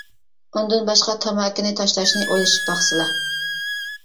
ئۇندىن باشقا تاماكىنى تاشلاشنى ئويلىشىپ باقسىلا!